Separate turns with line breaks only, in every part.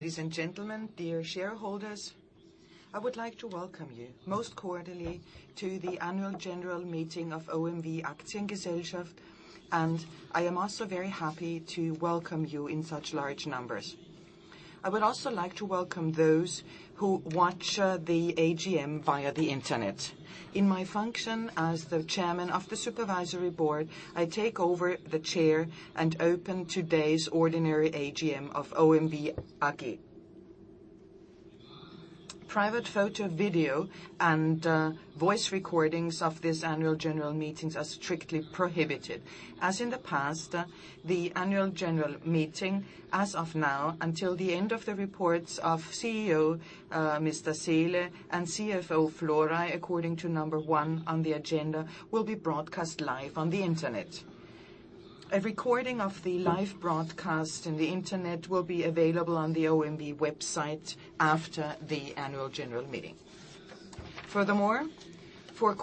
Ladies and gentlemen, dear shareholders, I would like to welcome you most cordially to the annual general meeting of OMV Aktiengesellschaft, and I am also very happy to welcome you in such large numbers. I would also like to welcome those who watch the AGM via the internet. In my function as the Chairman of the Supervisory Board, I take over the chair and open today's ordinary AGM of OMV AG. Private photo, video, and voice recordings of this annual general meeting are strictly prohibited. As in the past, the annual general meeting, as of now until the end of the reports of CEO Mr. Seele and CFO Florey, according to number one on the agenda, will be broadcast live on the internet. A recording of the live broadcast on the internet will be available on the OMV website after the annual general meeting. Furthermore, for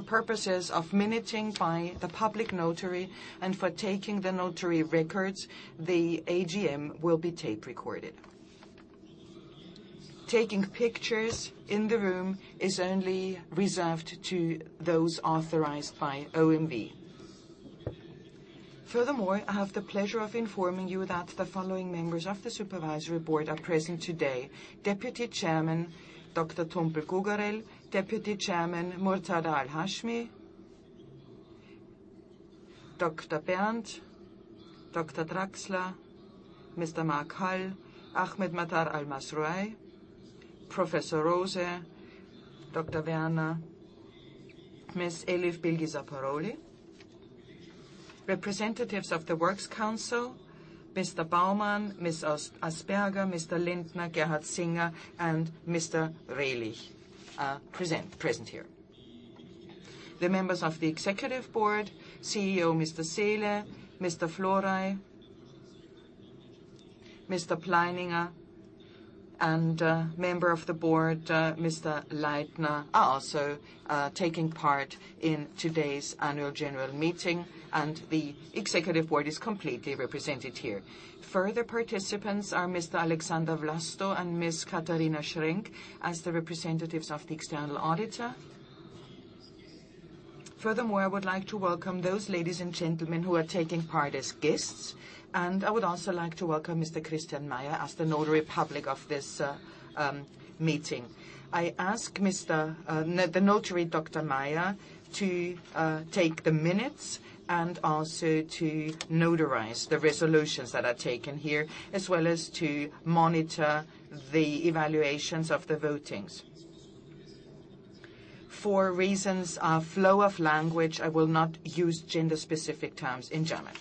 purposes of minuting by the notary public and for taking the notary records, the AGM will be tape-recorded. Taking pictures in the room is only reserved to those authorized by OMV. Furthermore, I have the pleasure of informing you that the following members of the Supervisory Board are present today: Deputy Chairman Dr. Tumpel-Gugerell, Deputy Chairman Murtadha Al-Hasmi, Dr. Bernd, Dr. Draxler, Mr. Marc Hall, Ahmed Matar Al Mazrouei, Professor Rose, Dr. Werner, Ms. Elif Bilgi Zapparoli. Representatives of the Works Council, Mr. Baumann, Ms. Asperger, Mr. Lindner, Gerhard Singer, and Mr. Redlich are present here. The members of the Executive Board, CEO Mr. Seele, Mr. Florey, Mr. Pleininger, and member of the board, Mr. Leitner, are also taking part in today's annual general meeting and the Executive Board is completely represented here. Further participants are Mr. Alexander Vlasto and Ms. Katarina Schrank as the representatives of the external auditor. Furthermore, I would like to welcome those ladies and gentlemen who are taking part as guests, and I would also like to welcome Mr. Christian Mayer as the notary public of this meeting. I ask the notary, Mr. Mayer, to take the minutes and also to notarize the resolutions that are taken here, as well as to monitor the evaluations of the votings. For reasons of flow of language, I will not use gender-specific terms in German.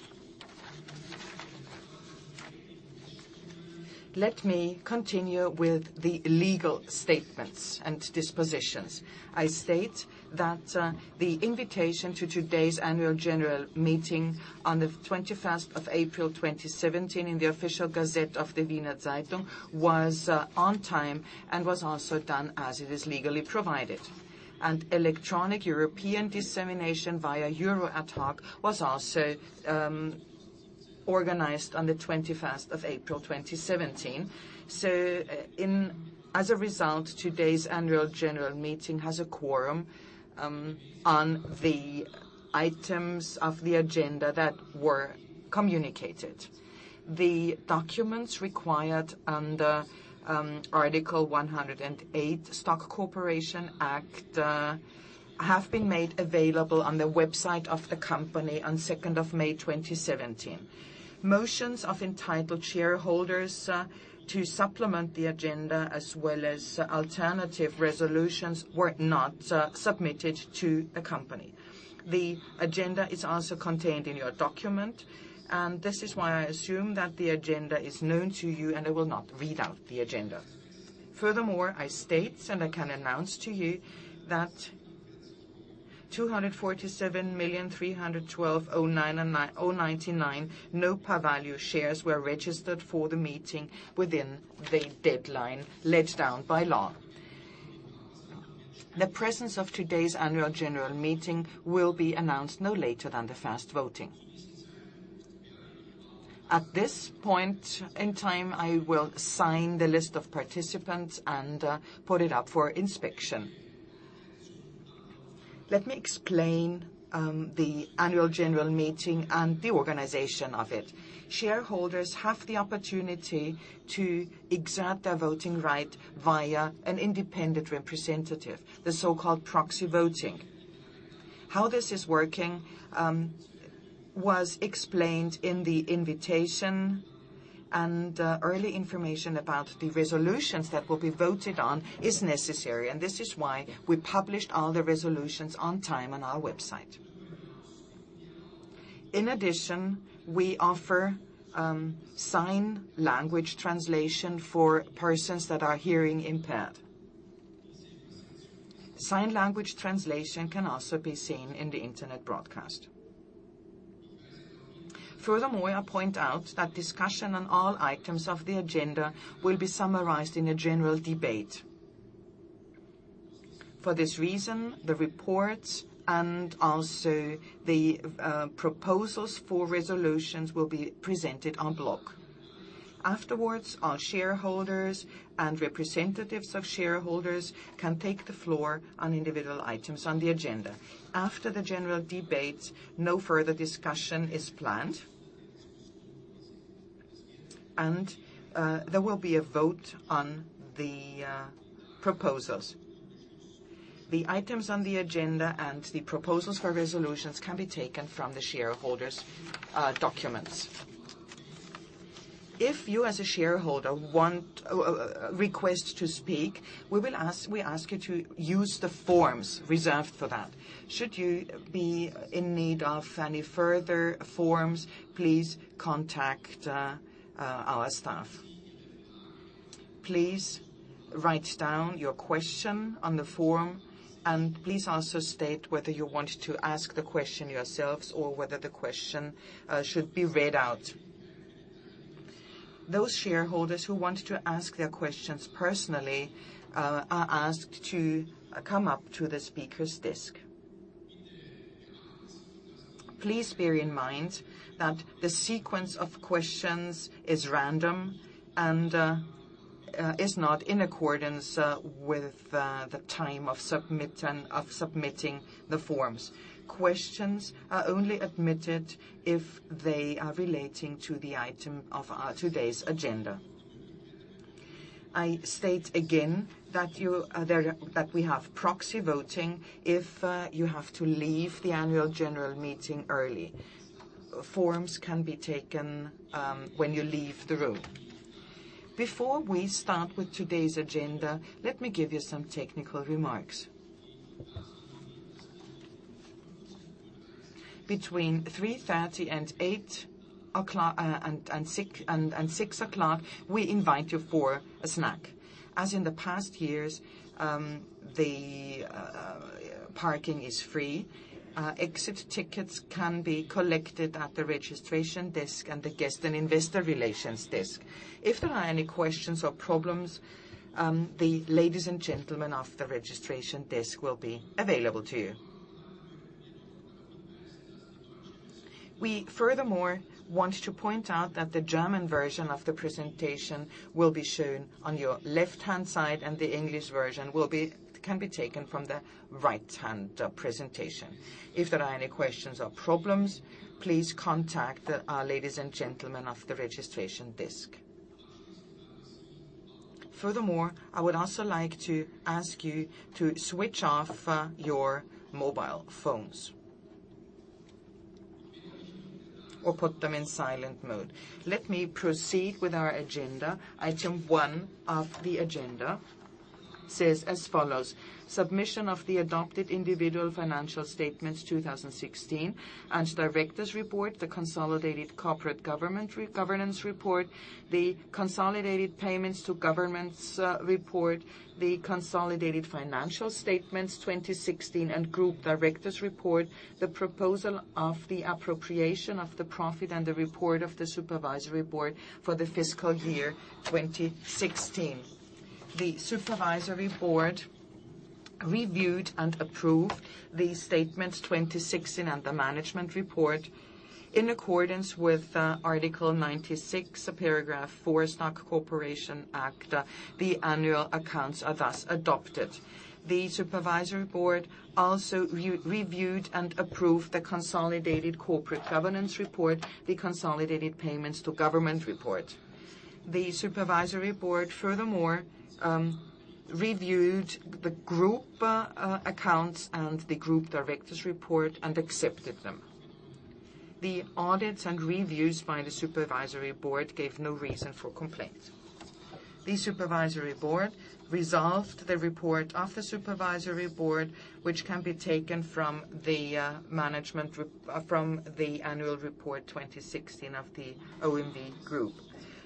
Let me continue with the legal statements and dispositions. I state that the invitation to today's annual general meeting on the 21st of April 2017 in the official Gazette of the Wiener Zeitung was on time and was also done as it is legally provided. Electronic European dissemination via euro adhoc was also organized on the 21st of April 2017. So as a result, today's annual general meeting has a quorum on the items of the agenda that were communicated. The documents required under Article 108, Stock Corporation Act, have been made available on the website of the company on the 2nd of May 2017. Motions of entitled shareholders to supplement the agenda as well as alternative resolutions were not submitted to the company. The agenda is also contained in your document, and this is why I assume that the agenda is known to you, and I will not read out the agenda. Furthermore, I state, and I can announce to you that 247,312,099 no par value shares were registered for the meeting within the deadline laid down by law. The presence of today's annual general meeting will be announced no later than the first voting. At this point in time, I will sign the list of participants and put it up for inspection. Let me explain the annual general meeting and the organization of it. Shareholders have the opportunity to exert their voting right via an independent representative, the so-called proxy voting. Early information about the resolutions that will be voted on is necessary, and this is why we published all the resolutions on time on our website. In addition, we offer sign language translation for persons that are hearing impaired. Sign language translation can also be seen in the Internet broadcast. Furthermore, I point out that discussion on all items of the agenda will be summarized in a general debate. For this reason, the reports and also the proposals for resolutions will be presented en bloc. Afterwards, our shareholders and representatives of shareholders can take the floor on individual items on the agenda. After the general debates, no further discussion is planned. There will be a vote on the proposals. The items on the agenda and the proposals for resolutions can be taken from the shareholders documents. If you as a shareholder request to speak, we ask you to use the forms reserved for that. Should you be in need of any further forms, please contact our staff. Please write down your question on the form and please also state whether you want to ask the question yourselves or whether the question should be read out. Those shareholders who want to ask their questions personally are asked to come up to the speaker's desk. Please bear in mind that the sequence of questions is random and is not in accordance with the time of submitting the forms. Questions are only admitted if they are relating to the item of today's agenda. I state again that we have proxy voting if you have to leave the annual general meeting early. Forms can be taken when you leave the room. Before we start with today's agenda, let me give you some technical remarks. Between 3:30 P.M. and 6:00 P.M., we invite you for a snack. As in the past years, the parking is free. Exit tickets can be collected at the registration desk and the guest and investor relations desk. If there are any questions or problems, the ladies and gentlemen of the registration desk will be available to you. We furthermore want to point out that the German version of the presentation will be shown on your left-hand side, and the English version can be taken from the right-hand presentation. If there are any questions or problems, please contact our ladies and gentlemen of the registration desk. Furthermore, I would also like to ask you to switch off your mobile phones or put them in silent mode. Let me proceed with our agenda. Item one of the agenda says as follows, submission of the adopted individual financial statements 2016 and Directors' Report, the Consolidated Corporate Governance Report, the Consolidated Payments to Governments Report, the Consolidated Financial Statements 2016 and Group Directors' Report, the Proposal of the Appropriation of the Profit, and the Report of the Supervisory Board for the fiscal year 2016. The supervisory board reviewed and approved the statements 2016 and the management report in accordance with Article 96, Paragraph 4, Stock Corporation Act. The annual accounts are thus adopted. The supervisory board also reviewed and approved the consolidated corporate governance report, the consolidated payments to government report. The supervisory board furthermore reviewed the group accounts and the group directors report and accepted them. The audits and reviews by the supervisory board gave no reason for complaint. The supervisory board resolved the report of the supervisory board, which can be taken from the annual report 2016 of the OMV Group.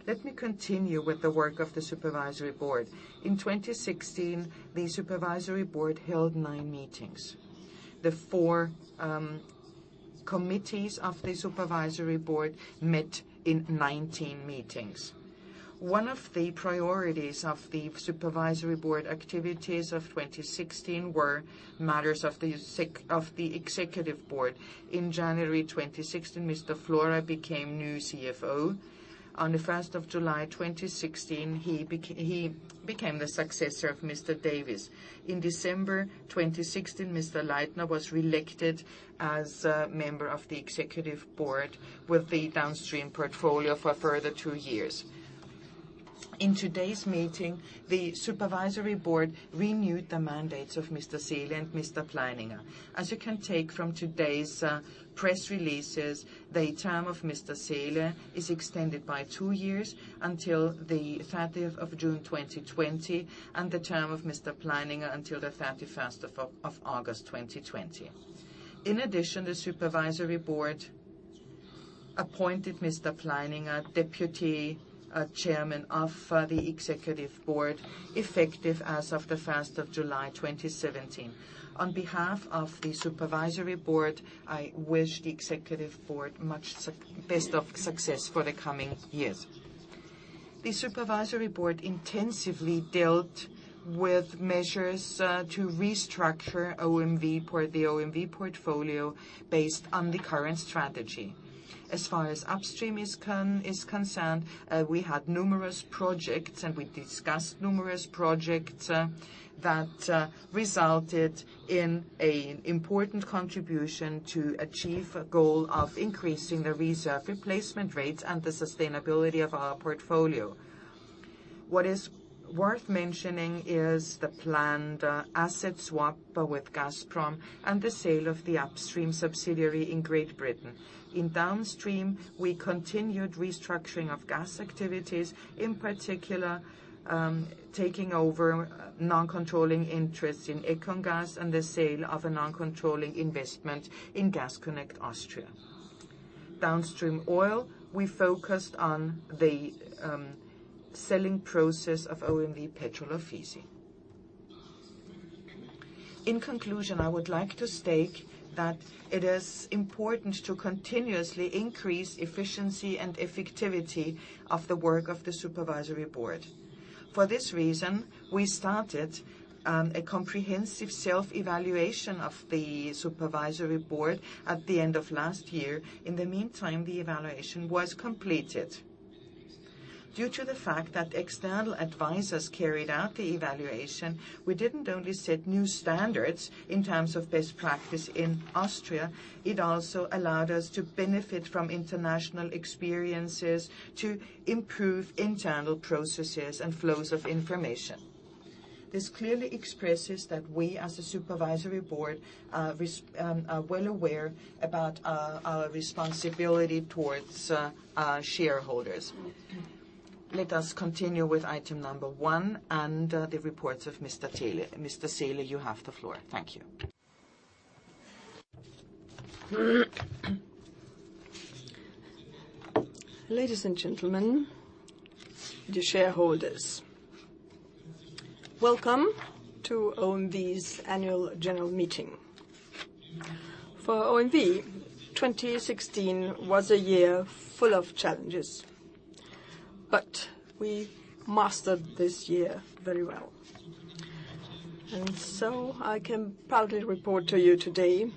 Let me continue with the work of the supervisory board. In 2016, the supervisory board held nine meetings. The four committees of the supervisory board met in 19 meetings. One of the priorities of the supervisory board activities of 2016 were matters of the executive board. In January 2016, Mr. Florey became new CFO. On the 1st of July 2016, he became the successor of Mr. Davies. In December 2016, Mr. Leitner was reelected as a member of the executive board with the downstream portfolio for a further two years. In today's meeting, the supervisory board renewed the mandates of Mr. Seele and Mr. Pleininger. As you can take from today's press releases, the term of Mr. Seele is extended by two years until the 30th of June 2020 and the term of Mr. Pleininger until the 31st of August 2020. In addition, the supervisory board appointed Mr. Pleininger deputy chairman of the executive board effective as of the 1st of July 2017. On behalf of the supervisory board, I wish the executive board best of success for the coming years. The supervisory board intensively dealt with measures to restructure the OMV portfolio based on the current strategy. As far as upstream is concerned, we had numerous projects and we discussed numerous projects that resulted in an important contribution to achieve a goal of increasing the reserve replacement rates and the sustainability of our portfolio. What is worth mentioning is the planned asset swap with Gazprom and the sale of the upstream subsidiary in Great Britain. In downstream, we continued restructuring of gas activities, in particular, taking over non-controlling interests in EconGas and the sale of a non-controlling investment in Gas Connect Austria. Downstream oil, we focused on the selling process of OMV Petroleo y Gas. In conclusion, I would like to state that it is important to continuously increase efficiency and effectivity of the work of the supervisory board. For this reason, we started a comprehensive self-evaluation of the supervisory board at the end of last year. In the meantime, the evaluation was completed. Due to the fact that external advisors carried out the evaluation, we didn't only set new standards in terms of best practice in Austria, it also allowed us to benefit from international experiences to improve internal processes and flows of information. This clearly expresses that we, as a supervisory board, are well aware about our responsibility towards our shareholders. Let us continue with item number 1 and the reports of Mr. Seele. Mr. Seele, you have the floor. Thank you.
Ladies and gentlemen, dear shareholders. Welcome to OMV's annual general meeting. For OMV, 2016 was a year full of challenges, but we mastered this year very well. I can proudly report to you today,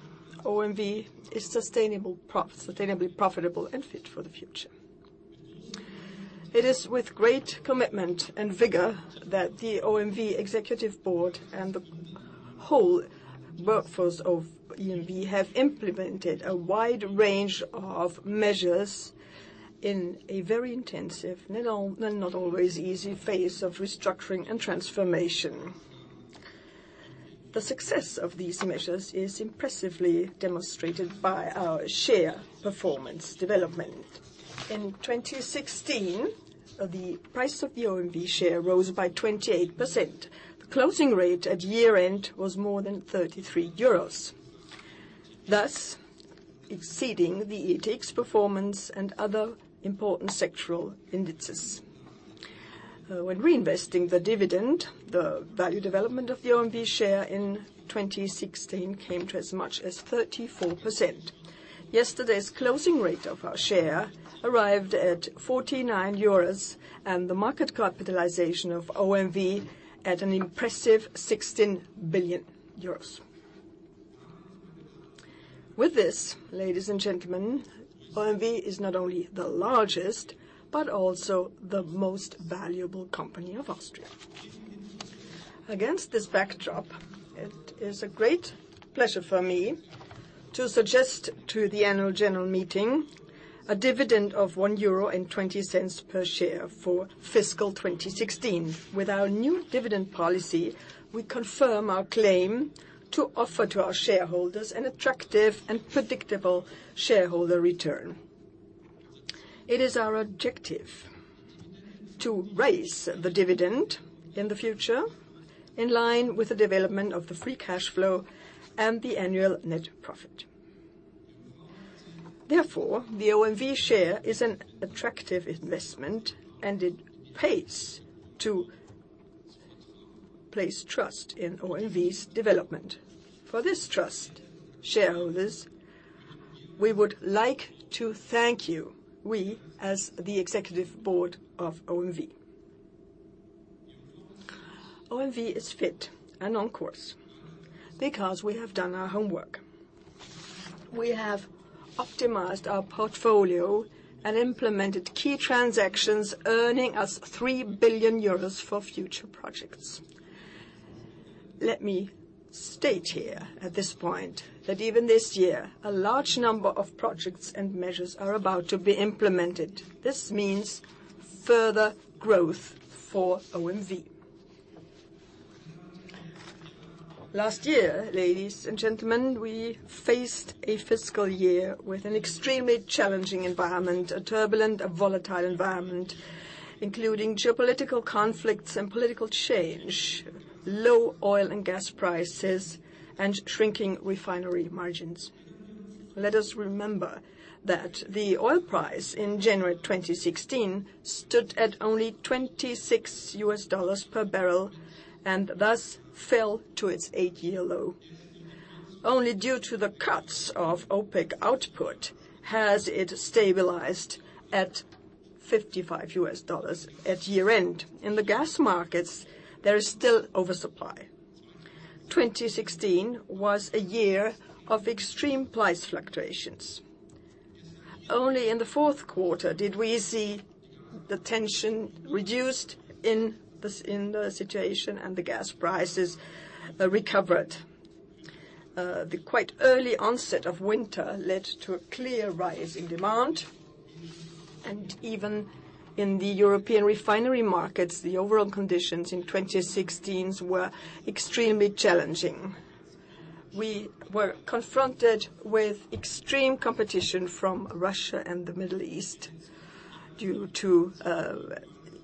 OMV is sustainably profitable and fit for the future. It is with great commitment and vigor that the OMV Executive Board and the whole workforce of OMV have implemented a wide range of measures in a very intensive and not always easy phase of restructuring and transformation. The success of these measures is impressively demonstrated by our share performance development. In 2016, the price of the OMV share rose by 28%. The closing rate at year-end was more than 33 euros, thus exceeding the ATX performance and other important sectoral indices. When reinvesting the dividend, the value development of the OMV share in 2016 came to as much as 34%. Yesterday's closing rate of our share arrived at 49 euros and the market capitalization of OMV at an impressive 16 billion euros. With this, ladies and gentlemen, OMV is not only the largest but also the most valuable company of Austria. Against this backdrop, it is a great pleasure for me to suggest to the annual general meeting a dividend of 1.20 euro per share for fiscal 2016. With our new dividend policy, we confirm our claim to offer to our shareholders an attractive and predictable shareholder return. It is our objective to raise the dividend in the future in line with the development of the free cash flow and the annual net profit. The OMV share is an attractive investment and it pays to place trust in OMV's development. For this trust, shareholders, we would like to thank you, we as the Executive Board of OMV. OMV is fit and on course because we have done our homework. We have optimized our portfolio and implemented key transactions earning us 3 billion euros for future projects. Let me state here at this point that even this year, a large number of projects and measures are about to be implemented. This means further growth for OMV. Last year, ladies and gentlemen, we faced a fiscal year with an extremely challenging environment, a turbulent, a volatile environment, including geopolitical conflicts and political change, low oil and gas prices, and shrinking refinery margins. Let us remember that the oil price in January 2016 stood at only $26 US per barrel and thus fell to its eight-year low. Only due to the cuts of OPEC output has it stabilized at $55 US at year-end. In the gas markets, there is still oversupply. 2016 was a year of extreme price fluctuations. Only in the fourth quarter did we see the tension reduced in the situation, and the gas prices recovered. The quite early onset of winter led to a clear rise in demand. Even in the European refinery markets, the overall conditions in 2016 were extremely challenging. We were confronted with extreme competition from Russia and the Middle East due to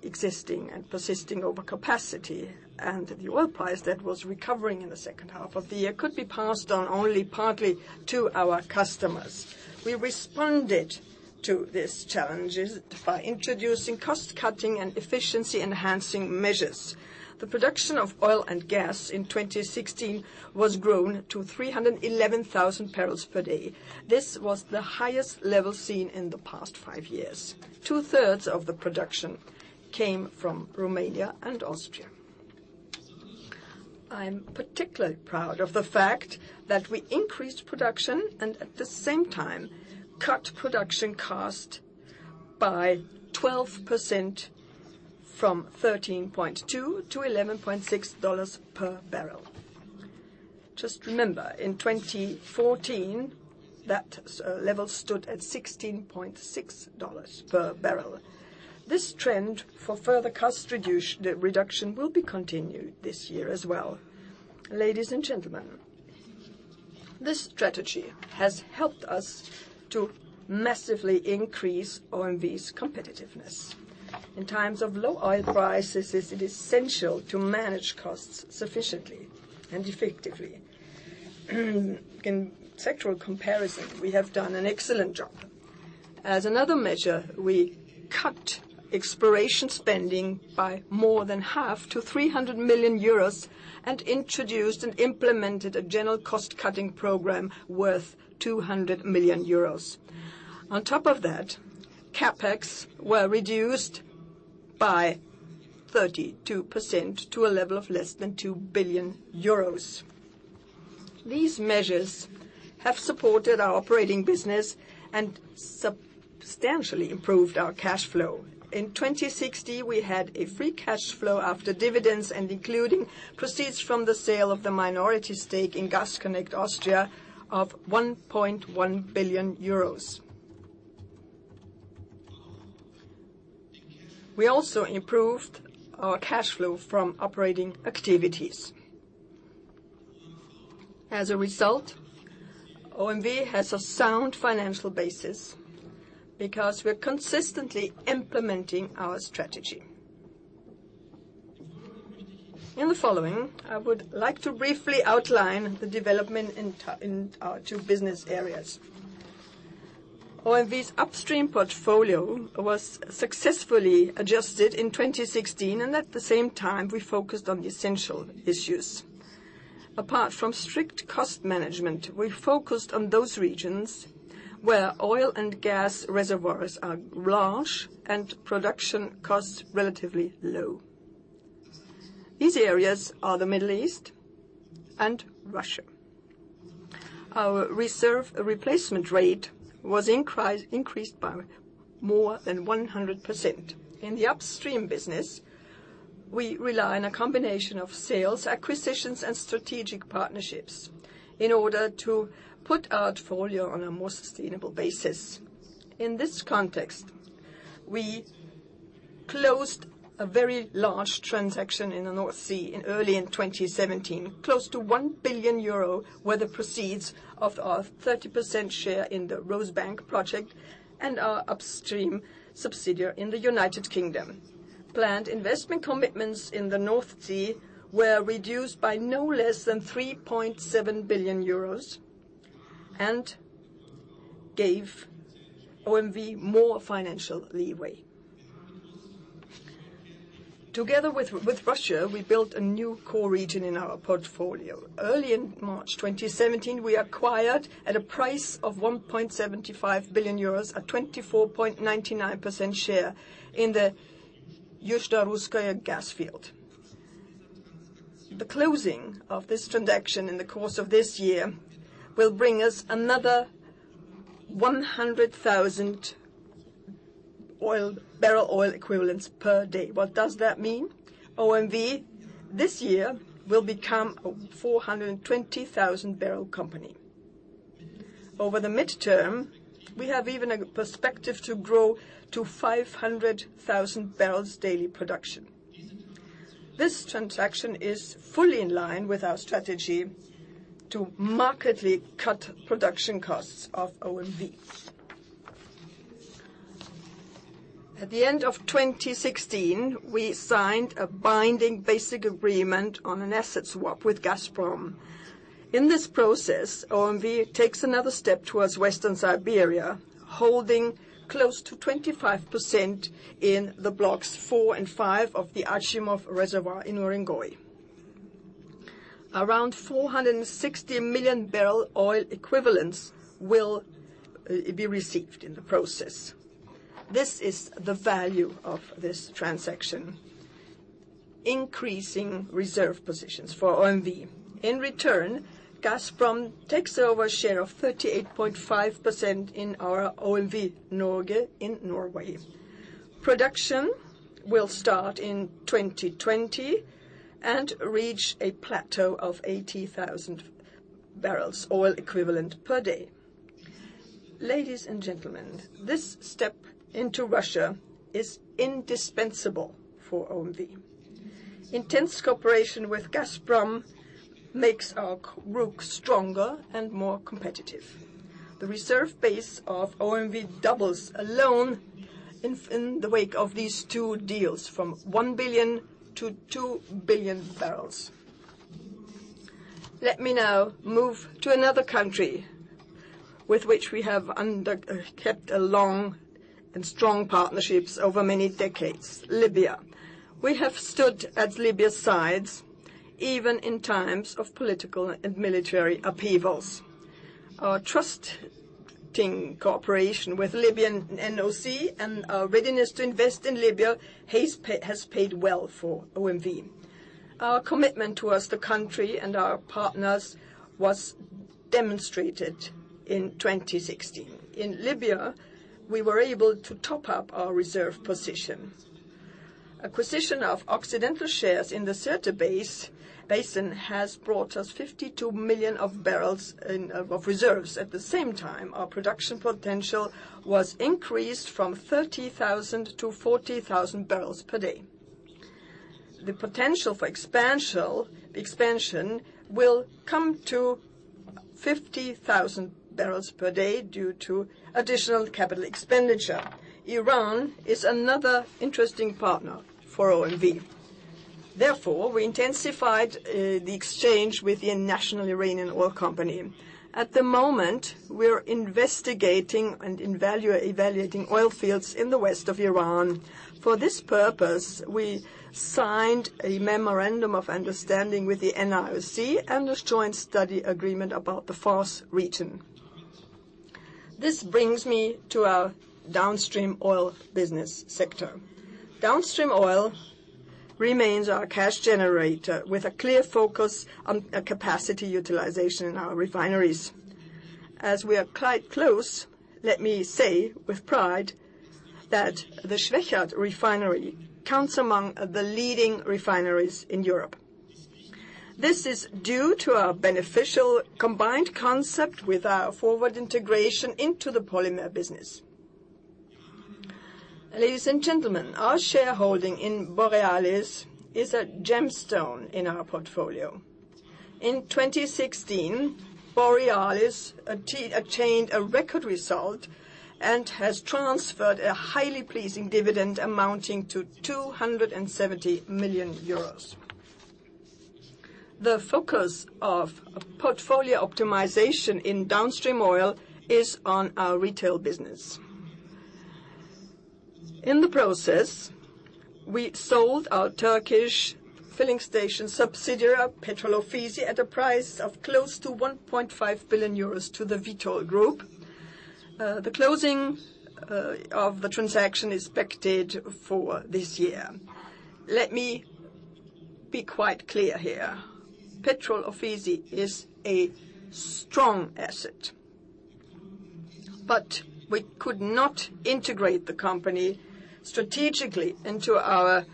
existing and persisting overcapacity, and the oil price that was recovering in the second half of the year could be passed on only partly to our customers. We responded to these challenges by introducing cost-cutting and efficiency-enhancing measures. The production of oil and gas in 2016 was grown to 311,000 barrels per day. This was the highest level seen in the past five years. Two-thirds of the production came from Romania and Austria. I am particularly proud of the fact that we increased production. At the same time, cut production cost by 12% from $13.20 to $11.60 per barrel. Just remember, in 2014, that level stood at $16.60 per barrel. This trend for further cost reduction will be continued this year as well. Ladies and gentlemen, this strategy has helped us to massively increase OMV's competitiveness. In times of low oil prices, it is essential to manage costs sufficiently and effectively. In sectoral comparison, we have done an excellent job. As another measure, we cut exploration spending by more than half to 300 million euros and introduced and implemented a general cost-cutting program worth 200 million euros. On top of that, CapEx were reduced by 32% to a level of less than 2 billion euros. These measures have supported our operating business and substantially improved our cash flow. In 2016, we had a free cash flow after dividends and including proceeds from the sale of the minority stake in Gas Connect Austria of 1.1 billion euros. We also improved our cash flow from operating activities. As a result, OMV has a sound financial basis because we are consistently implementing our strategy. In the following, I would like to briefly outline the development in our two business areas. OMV's Upstream portfolio was successfully adjusted in 2016. At the same time, we focused on the essential issues. Apart from strict cost management, we focused on those regions where oil and gas reservoirs are large and production costs relatively low. These areas are the Middle East and Russia. Our reserve replacement rate was increased by more than 100%. In the Upstream business, we rely on a combination of sales, acquisitions, and strategic partnerships in order to put our portfolio on a more sustainable basis. In this context, we closed a very large transaction in the North Sea early in 2017. Close to 1 billion euro were the proceeds of our 30% share in the Rosebank project and our Upstream subsidiary in the U.K. Planned investment commitments in the North Sea were reduced by no less than 3.7 billion euros and gave OMV more financial leeway. Together with Russia, we built a new core region in our portfolio. Early in March 2017, we acquired, at a price of 1.75 billion euros, a 24.99% share in the Yuzhno-Russkoye gas field. The closing of this transaction in the course of this year will bring us another 100,000 barrel oil equivalents per day. What does that mean? OMV this year will become a 420,000-barrel company. Over the midterm, we have even a perspective to grow to 500,000 barrels daily production. This transaction is fully in line with our strategy to markedly cut production costs of OMV. At the end of 2016, we signed a binding basic agreement on an asset swap with Gazprom. In this process, OMV takes another step towards Western Siberia Holding close to 25% in the blocks four and five of the Achimov reservoir in Urengoy. Around 460 million barrel oil equivalents will be received in the process. This is the value of this transaction, increasing reserve positions for OMV. In return, Gazprom takes over a share of 38.5% in our OMV Norge in Norway. Production will start in 2020 and reach a plateau of 80,000 barrels oil equivalent per day. Ladies and gentlemen, this step into Russia is indispensable for OMV. Intense cooperation with Gazprom makes our group stronger and more competitive. The reserve base of OMV doubles alone in the wake of these two deals from 1 billion to 2 billion barrels. Let me now move to another country with which we have kept a long and strong partnerships over many decades, Libya. We have stood at Libya's sides, even in times of political and military upheavals. Our trusting cooperation with Libyan NOC and our readiness to invest in Libya has paid well for OMV. Our commitment towards the country and our partners was demonstrated in 2016. In Libya, we were able to top up our reserve position. Acquisition of Occidental shares in the Sirte Basin has brought us 52 million of barrels of reserves. At the same time, our production potential was increased from 30,000 to 40,000 barrels per day. The potential for expansion will come to 50,000 barrels per day due to additional capital expenditure. Iran is another interesting partner for OMV. Therefore, we intensified the exchange with the National Iranian Oil Company. At the moment, we are investigating and evaluating oil fields in the west of Iran. For this purpose, we signed a memorandum of understanding with the NIOC and a joint study agreement about the Fars region. This brings me to our downstream oil business sector. Downstream oil remains our cash generator with a clear focus on capacity utilization in our refineries. As we are quite close, let me say with pride that the Schwechat Refinery counts among the leading refineries in Europe. This is due to our beneficial combined concept with our forward integration into the polymer business. Ladies and gentlemen, our shareholding in Borealis is a gemstone in our portfolio. In 2016, Borealis attained a record result and has transferred a highly pleasing dividend amounting to 270 million euros. The focus of portfolio optimization in downstream oil is on our retail business. In the process, we sold our Turkish filling station subsidiary, Petrol Ofisi, at a price of close to 1.5 billion euros to the Vitol Group. The closing of the transaction is expected for this year. Let me be quite clear here. We could not integrate the company strategically into our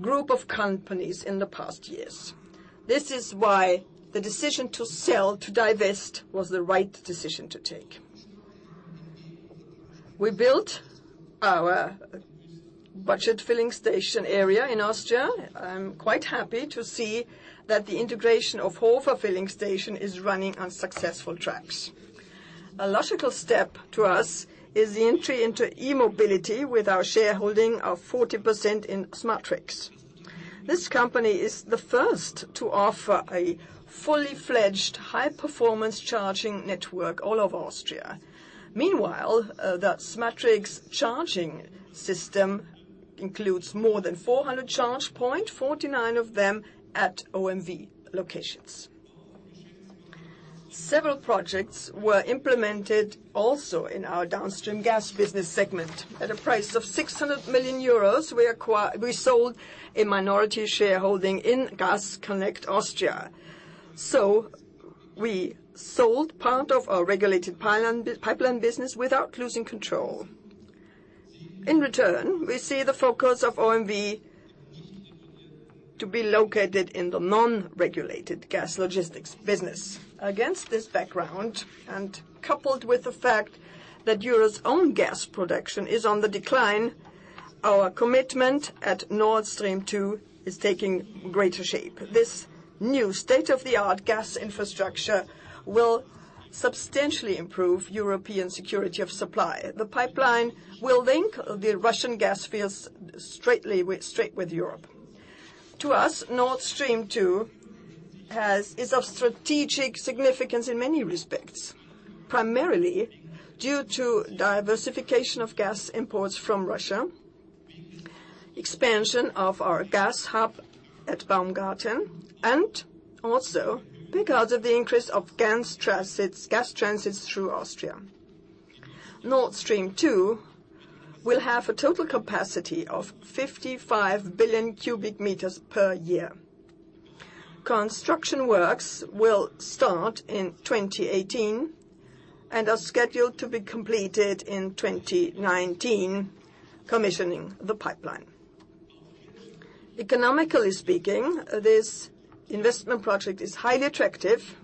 group of companies in the past years. This is why the decision to sell, to divest was the right decision to take. We built our budget filling station area in Austria. I am quite happy to see that the integration of Hofer filling station is running on successful tracks. A logical step to us is the entry into e-mobility with our shareholding of 40% in SMATRICS. This company is the first to offer a fully-fledged high-performance charging network all over Austria. Meanwhile, that SMATRICS charging system includes more than 400 charge point, 49 of them at OMV locations. Several projects were implemented also in our downstream gas business segment. At a price of 600 million euros, we sold a minority shareholding in Gas Connect Austria. We sold part of our regulated pipeline business without losing control. In return, we see the focus of OMV to be located in the non-regulated gas logistics business. Against this background, and coupled with the fact that Europe's own gas production is on the decline, our commitment at Nord Stream 2 is taking greater shape. This new state-of-the-art gas infrastructure will substantially improve European security of supply. The pipeline will link the Russian gas fields straight with Europe. To us, Nord Stream 2 is of strategic significance in many respects, primarily due to diversification of gas imports from Russia, expansion of our gas hub at Baumgarten, and also because of the increase of gas transits through Austria. Nord Stream 2 will have a total capacity of 55 billion cubic meters per year. Construction works will start in 2018 and are scheduled to be completed in 2019, commissioning the pipeline. Economically speaking, this investment project is highly attractive.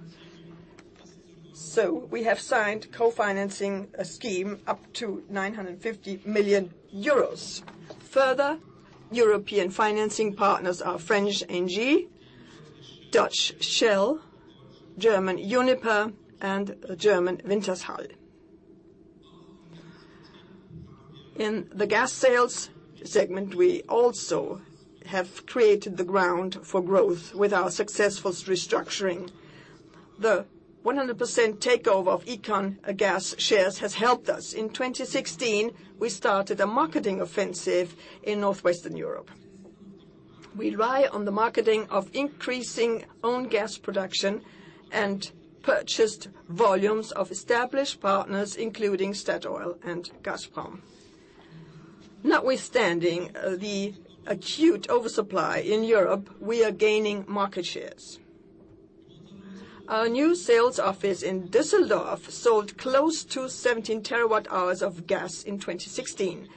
We have signed co-financing scheme up to 950 million euros. Further European financing partners are French ENGIE, Dutch Shell, German Uniper, and German Wintershall. In the gas sales segment, we also have created the ground for growth with our successful restructuring. The 100% takeover of EconGas shares has helped us. In 2016, we started a marketing offensive in Northwestern Europe. We rely on the marketing of increasing own gas production and purchased volumes of established partners, including Statoil and Gazprom. Notwithstanding the acute oversupply in Europe, we are gaining market shares. Our new sales office in Düsseldorf sold close to 17 terawatt-hours of gas in 2016,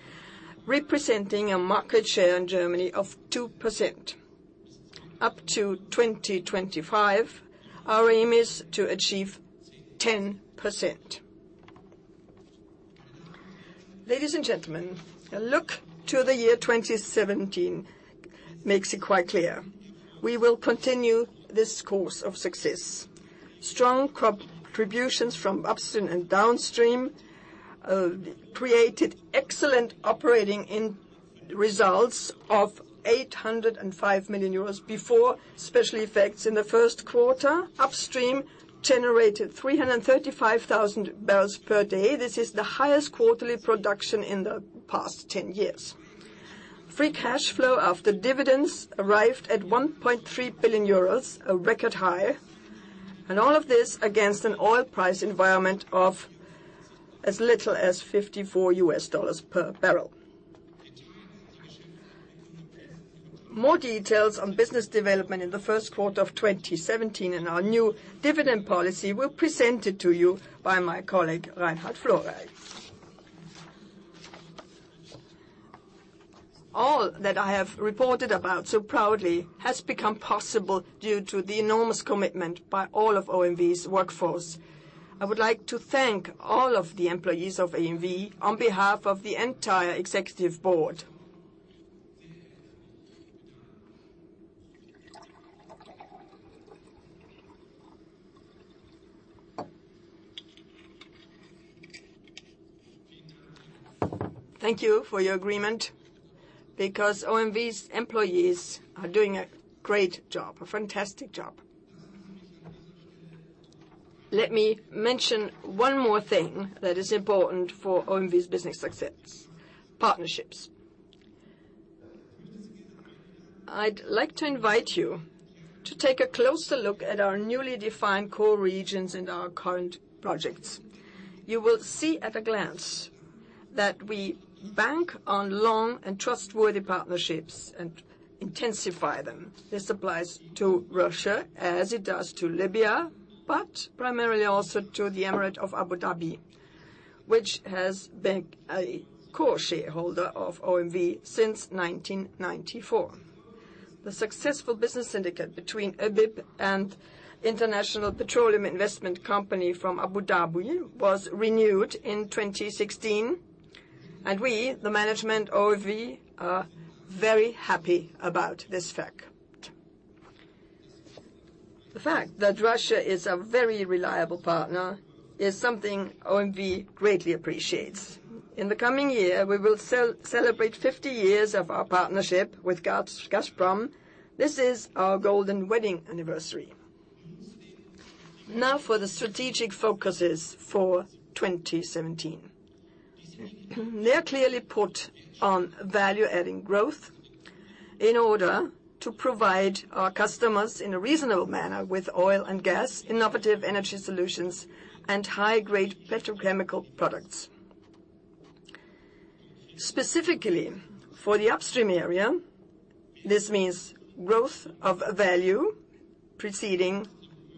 representing a market share in Germany of 2%. Up to 2025, our aim is to achieve 10%. Ladies and gentlemen, a look to the year 2017 makes it quite clear. We will continue this course of success. Strong contributions from upstream and downstream created excellent operating results of 805 million euros before special effects in the first quarter. Upstream generated 335,000 barrels per day. This is the highest quarterly production in the past 10 years. Free cash flow after dividends arrived at 1.3 billion euros, a record high, and all of this against an oil price environment of as little as $54 US per barrel. More details on business development in the first quarter of 2017 and our new dividend policy were presented to you by my colleague, Reinhard Florey. All that I have reported about so proudly has become possible due to the enormous commitment by all of OMV's workforce. I would like to thank all of the employees of OMV on behalf of the entire executive board. Thank you for your agreement, because OMV's employees are doing a great job, a fantastic job. Let me mention one more thing that is important for OMV's business success: partnerships. I'd like to invite you to take a closer look at our newly defined core regions and our current projects. You will see at a glance that we bank on long and trustworthy partnerships and intensify them. This applies to Russia as it does to Libya, but primarily also to the Emirate of Abu Dhabi, which has been a core shareholder of OMV since 1994. The successful business syndicate between ÖBIB and International Petroleum Investment Company from Abu Dhabi was renewed in 2016, and we, the management of OMV, are very happy about this fact. The fact that Russia is a very reliable partner is something OMV greatly appreciates. In the coming year, we will celebrate 50 years of our partnership with Gazprom. This is our golden wedding anniversary. Now for the strategic focuses for 2017. They are clearly put on value-adding growth in order to provide our customers in a reasonable manner with oil and gas, innovative energy solutions, and high-grade petrochemical products. Specifically, for the upstream area, this means growth of value preceding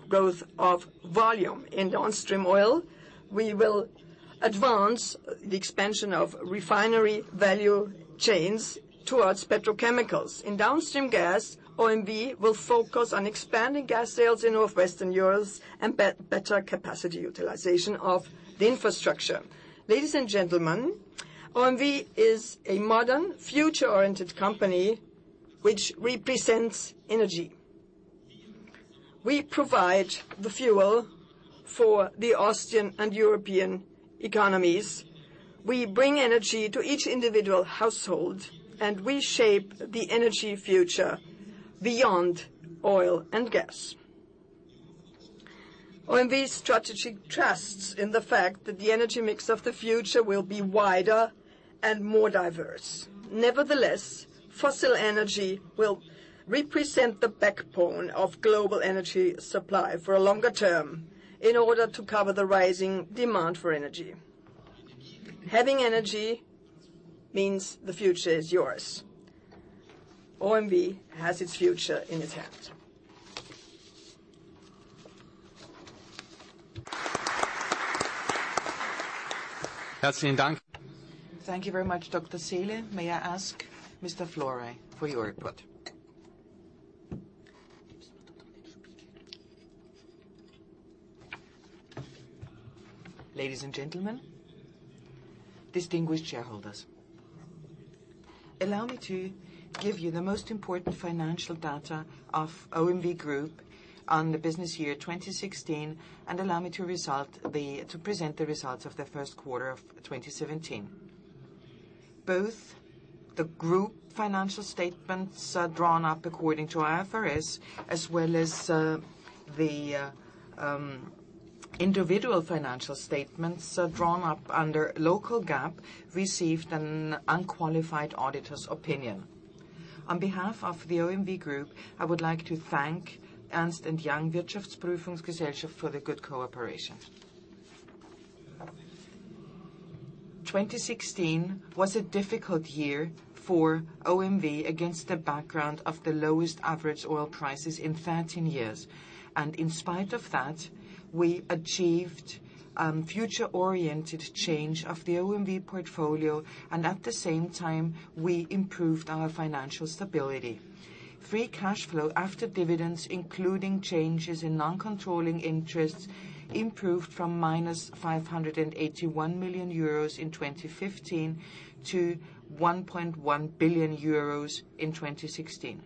growth of volume. In downstream oil, we will advance the expansion of refinery value chains towards petrochemicals. In downstream gas, OMV will focus on expanding gas sales in Northwestern Europe and better capacity utilization of the infrastructure. Ladies and gentlemen, OMV is a modern, future-oriented company which represents energy. We provide the fuel for the Austrian and European economies. We bring energy to each individual household, and we shape the energy future beyond oil and gas. OMV strategy trusts in the fact that the energy mix of the future will be wider and more diverse. Fossil energy will represent the backbone of global energy supply for a longer term in order to cover the rising demand for energy. Having energy means the future is yours. OMV has its future in its hand.
Thank you very much, Dr. Seele.
May I ask Mr. Florey for your report.
Ladies and gentlemen, distinguished shareholders. Allow me to give you the most important financial data of OMV Group on the business year 2016, and allow me to present the results of the first quarter of 2017. Both the group financial statements are drawn up according to IFRS, as well as the individual financial statements are drawn up under local GAAP, received an unqualified auditor's opinion. On behalf of the OMV Group, I would like to thank Ernst & Young for the good cooperation. 2016 was a difficult year for OMV against the background of the lowest average oil prices in 13 years. In spite of that, we achieved future-oriented change of the OMV portfolio and at the same time, we improved our financial stability. Free cash flow after dividends, including changes in non-controlling interests, improved from minus 581 million euros in 2015 to 1.1 billion euros in 2016.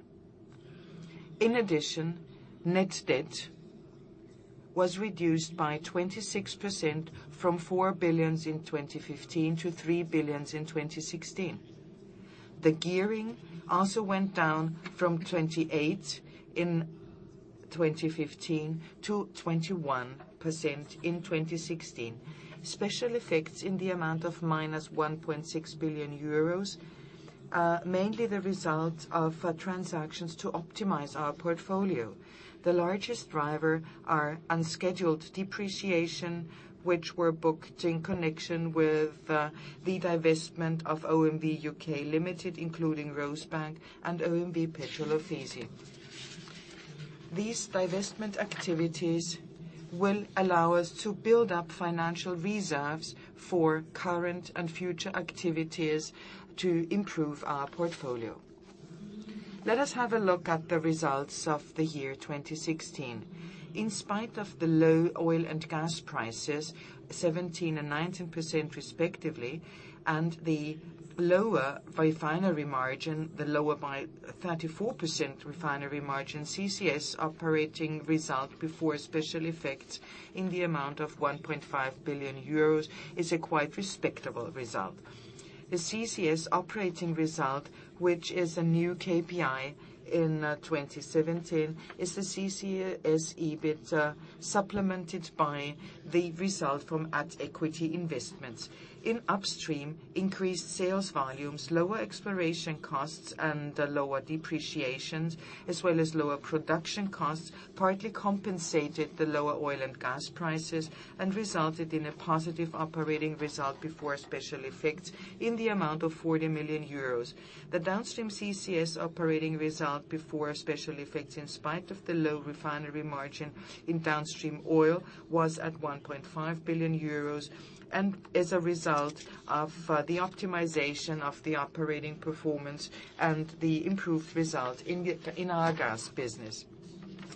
In addition, net debt was reduced by 26% from 4 billion in 2015 to 3 billion in 2016. The gearing also went down from 28% in 2015 to 21% in 2016. Special effects in the amount of minus 1.6 billion euros, are mainly the result of transactions to optimize our portfolio. The largest driver are unscheduled depreciation, which were booked in connection with the divestment of OMV U.K. Limited, including Rosebank and OMV Petrol Ofisi. These divestment activities will allow us to build up financial reserves for current and future activities to improve our portfolio. Let us have a look at the results of the year 2016. In spite of the low oil and gas prices, 17% and 19% respectively, and the lower by 34% refinery margin, CCS operating result before special effects in the amount of 1.5 billion euros is a quite respectable result. The CCS operating result, which is a new KPI in 2017, is the CCS EBIT supplemented by the result from at equity investments. In upstream, increased sales volumes, lower exploration costs, and lower depreciations, as well as lower production costs, partly compensated the lower oil and gas prices and resulted in a positive operating result before special effects in the amount of 40 million euros. The downstream CCS operating result before special effects, in spite of the low refinery margin in downstream oil, was at 1.5 billion euros, and as a result of the optimization of the operating performance and the improved result in our gas business.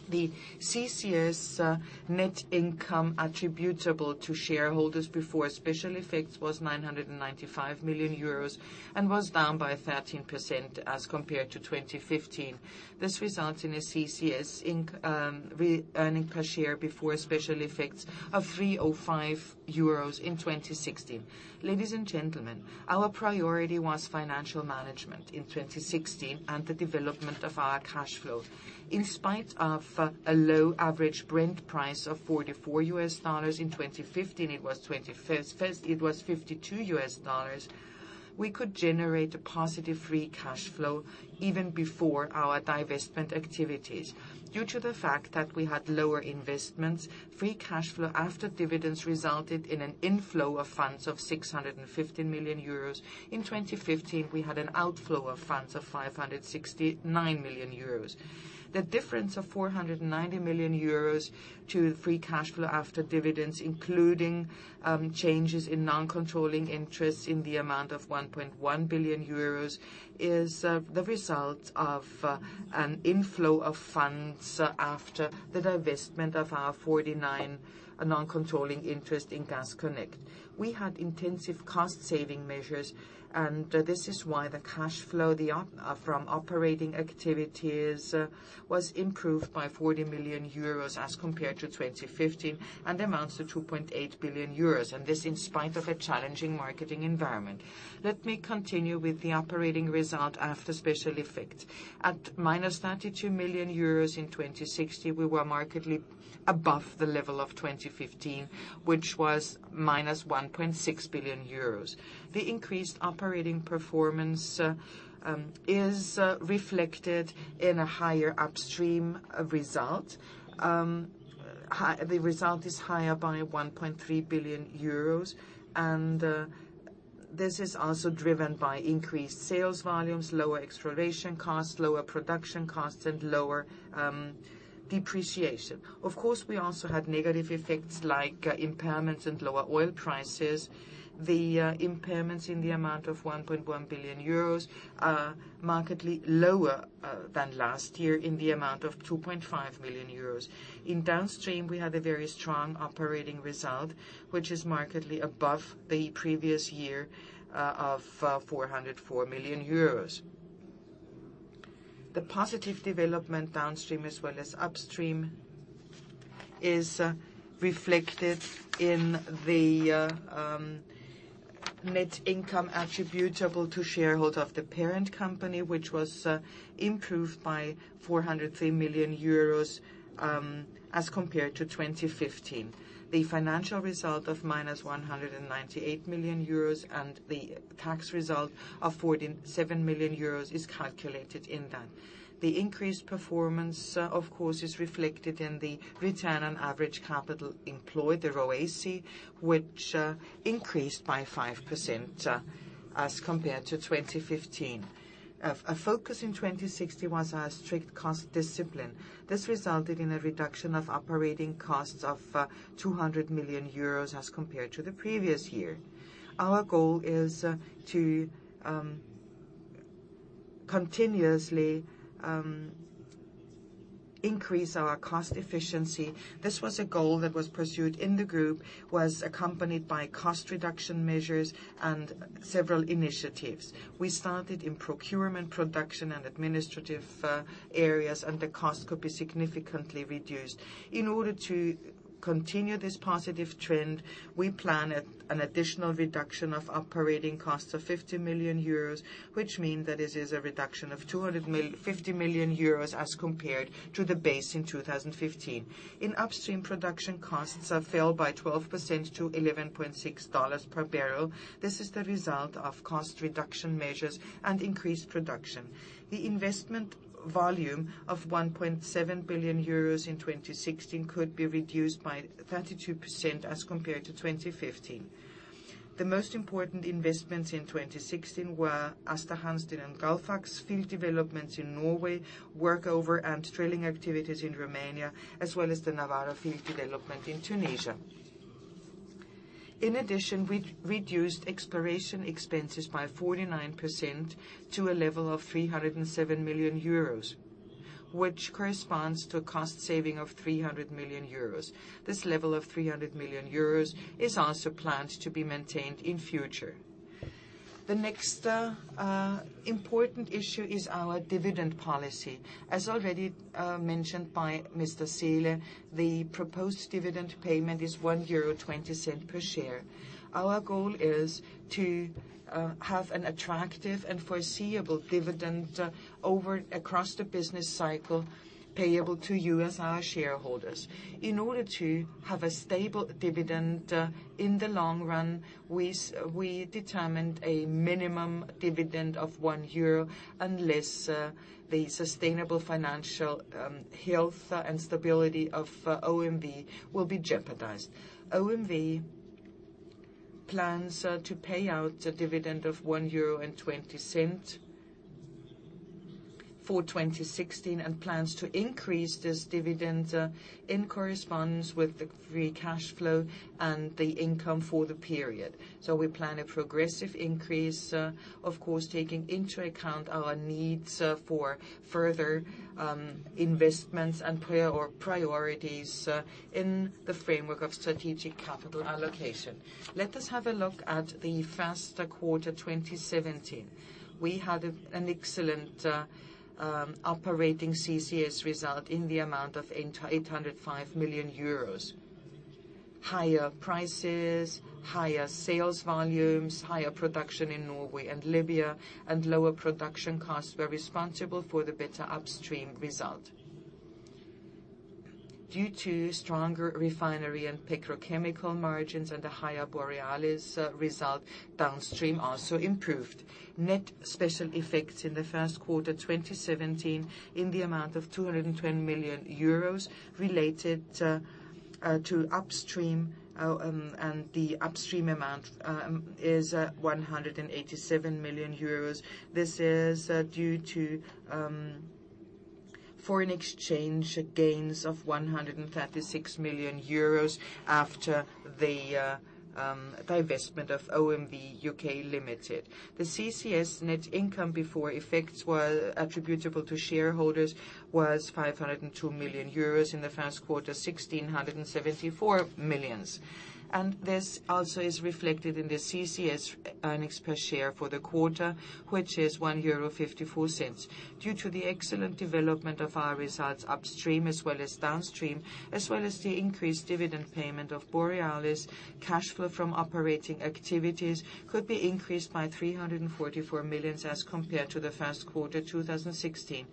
The CCS net income attributable to shareholders before special effects was 995 million euros and was down by 13% as compared to 2015. This results in a CCS earning per share before special effects of 3.05 euros in 2016. Ladies and gentlemen, our priority was financial management in 2016 and the development of our cash flow. In spite of a low average Brent price of $44, in 2015 it was $52, we could generate a positive free cash flow even before our divestment activities. Due to the fact that we had lower investments, free cash flow after dividends resulted in an inflow of funds of 650 million euros. In 2015, we had an outflow of funds of 569 million euros. The difference of 490 million euros to free cash flow after dividends, including changes in non-controlling interests in the amount of 1.1 billion euros, is the result of an inflow of funds after the divestment of our 49 non-controlling interest in Gas Connect. We had intensive cost-saving measures, this is why the cash flow from operating activities was improved by 40 million euros as compared to 2015 and amounts to 2.8 billion euros. This in spite of a challenging marketing environment. Let me continue with the operating result after special effects. At minus 32 million euros in 2016, we were markedly above the level of 2015, which was minus 1.6 billion euros. The increased operating performance is reflected in a higher upstream result. The result is higher by 1.3 billion euros. This is also driven by increased sales volumes, lower exploration costs, lower production costs, and lower depreciation. Of course, we also had negative effects like impairments and lower oil prices. The impairments in the amount of 1.1 billion euros are markedly lower than last year in the amount of 2.5 billion euros. In Downstream, we had a very strong operating result, which is markedly above the previous year of 404 million euros. The positive development Downstream as well as Upstream is reflected in the net income attributable to shareholders of the parent company, which was improved by 403 million euros as compared to 2015. The financial result of minus 198 million euros and the tax result of 47 million euros is calculated in that. The increased performance, of course, is reflected in the return on average capital employed, the ROACE, which increased by 5% as compared to 2015. A focus in 2016 was our strict cost discipline. This resulted in a reduction of operating costs of 200 million euros as compared to the previous year. Our goal is to continuously increase our cost efficiency. This was a goal that was pursued in the group, was accompanied by cost reduction measures and several initiatives. We started in procurement, production, and administrative areas, the cost could be significantly reduced. In order to continue this positive trend, we plan an additional reduction of operating costs of 50 million euros, which means that it is a reduction of 250 million euros as compared to the base in 2015. In Upstream, production costs have fell by 12% to $11.60 per barrel. This is the result of cost reduction measures and increased production. The investment volume of 1.7 billion euros in 2016 could be reduced by 32% as compared to 2015. The most important investments in 2016 were Aasta Hansteen and Gullfaks field developments in Norway, work over and drilling activities in Romania, as well as the Nawara field development in Tunisia. In addition, we reduced exploration expenses by 49% to a level of 307 million euros, which corresponds to a cost saving of 300 million euros. This level of 300 million euros is also planned to be maintained in future. The next important issue is our dividend policy. As already mentioned by Mr. Seele, the proposed dividend payment is 1.20 euro per share. Our goal is to have an attractive and foreseeable dividend across the business cycle payable to you as our shareholders. In order to have a stable dividend in the long run, we determined a minimum dividend of 1 euro unless the sustainable financial health and stability of OMV will be jeopardized. OMV plans to pay out a dividend of 1.20 euro for 2016 and plans to increase this dividend in correspondence with the free cash flow and the income for the period. We plan a progressive increase, of course, taking into account our needs for further investments and priorities in the framework of strategic capital allocation. Let us have a look at the first quarter 2017. We had an excellent operating CCS result in the amount of 805 million euros. Higher prices, higher sales volumes, higher production in Norway and Libya, and lower production costs were responsible for the better Upstream result. Due to stronger refinery and petrochemical margins and a higher Borealis result, Downstream also improved. Net special effects in the first quarter 2017 in the amount of 220 million euros related to Upstream, and the Upstream amount is 187 million euros. This is due to foreign exchange gains of 136 million euros after the divestment of OMV (U.K.) Limited. The CCS net income before effects were attributable to shareholders was 502 million euros. In the first quarter, 1,674 million. This also is reflected in the CCS earnings per share for the quarter, which is 1.54 euro. Due to the excellent development of our results Upstream as well as Downstream, as well as the increased dividend payment of Borealis, cash flow from operating activities could be increased by 344 million as compared to the first quarter 2016.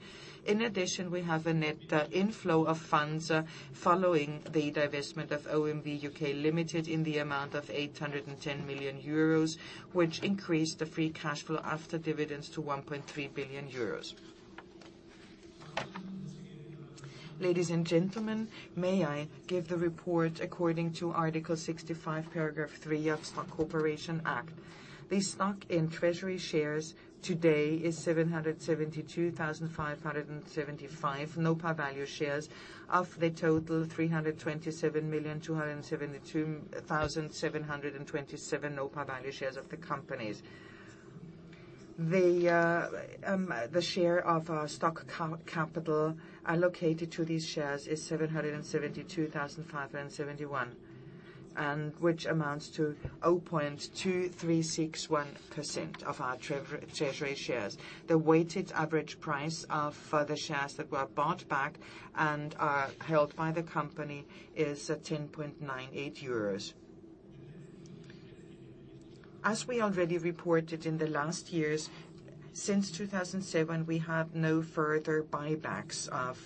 In addition, we have a net inflow of funds following the divestment of OMV (U.K.) Limited in the amount of 810 million euros, which increased the free cash flow after dividends to 1.3 billion euros. Ladies and gentlemen, may I give the report according to Article 65, Paragraph 3 of Stock Corporation Act. The stock in treasury shares today is 772,575 no-par value shares of the total 327,272,727 no-par value shares of the companies. The share of our stock capital allocated to these shares is 772,571, which amounts to 0.2361% of our treasury shares. The weighted average price of the shares that were bought back and are held by the company is at 10.98 euros. As we already reported in the last years, since 2007, we have no further buybacks of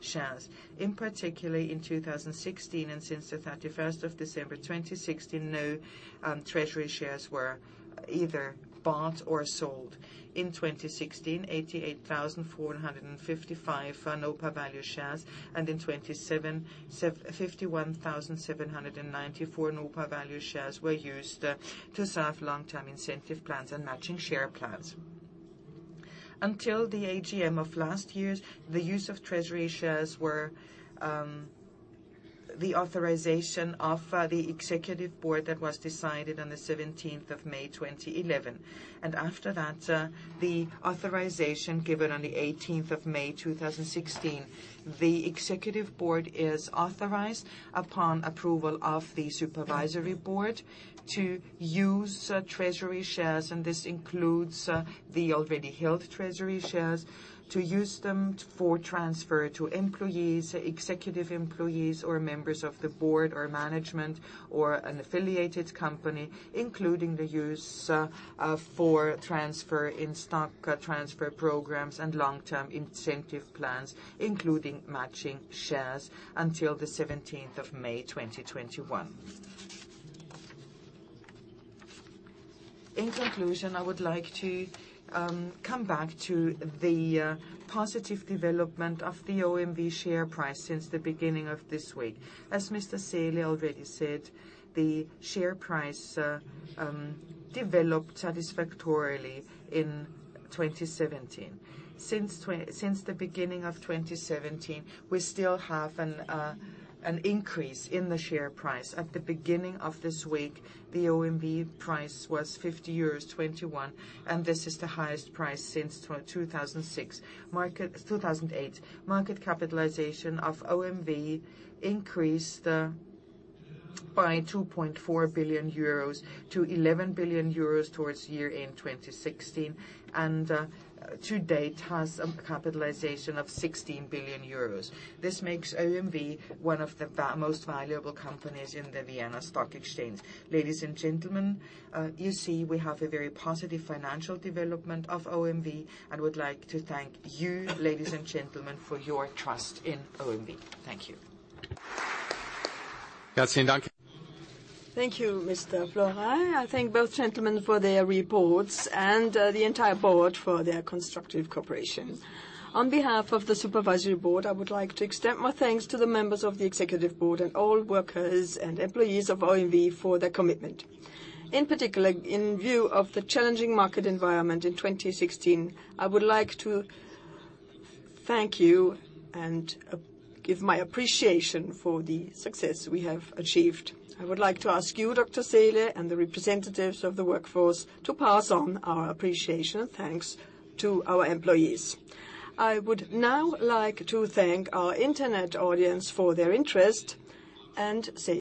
shares. In particular, in 2016 and since the 31st of December 2016, no treasury shares were either bought or sold. In 2016, 88,455 no-par value shares and in 2017, 51,794 no-par value shares were used to serve long-term incentive plans and matching share plans. Until the AGM of last year, the use of treasury shares were the authorization of the executive board that was decided on the 17th of May 2011. After that, the authorization given on the 18th of May 2016, the executive board is authorized upon approval of the supervisory board to use treasury shares, and this includes the already held treasury shares, to use them for transfer to employees, executive employees, or members of the board or management or an affiliated company, including the use for transfer in stock transfer programs and long-term incentive plans, including matching shares until the 17th of May 2021. In conclusion, I would like to come back to the positive development of the OMV share price since the beginning of this week. As Mr. Seele already said, the share price developed satisfactorily in 2017. Since the beginning of 2017, we still have an increase in the share price. At the beginning of this week, the OMV price was 50.21 euros, and this is the highest price since 2008. Market capitalization of OMV increased by 2.4 billion euros to 11 billion euros towards year-end 2016, and to date has a capitalization of 16 billion euros. This makes OMV one of the most valuable companies in the Vienna Stock Exchange. Ladies and gentlemen, you see we have a very positive financial development of OMV and would like to thank you, ladies and gentlemen, for your trust in OMV. Thank you.
Thank you, Mr. Florey. I thank both gentlemen for their reports and the entire board for their constructive cooperation. On behalf of the supervisory board, I would like to extend my thanks to the members of the executive board and all workers and employees of OMV for their commitment. In particular, in view of the challenging market environment in 2016, I would like to thank you and give my appreciation for the success we have achieved. I would like to ask you, Dr. Seele, and the representatives of the workforce to pass on our appreciation and thanks to our employees. I would now like to thank our internet audience for their interest and say